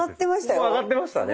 ここ上がってましたね